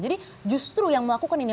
jadi justru yang melakukan ini